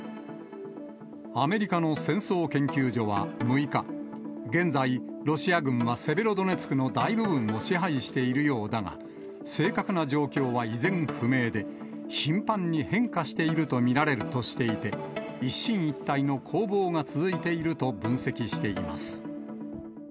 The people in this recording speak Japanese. アメリカの戦争研究所は６日、現在、ロシア軍はセベロドネツクの大部分を支配しているようだが、正確な状況は依然不明で、頻繁に変化していると見られるとしていて、一進一退の攻防が続いていると分析しています。